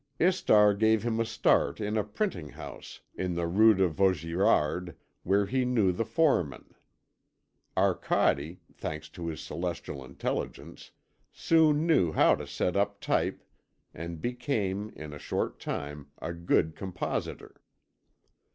Istar gave him a start in a printing house in the Rue de Vaugirard where he knew the foreman. Arcade, thanks to his celestial intelligence, soon knew how to set up type and became, in a short time, a good compositor.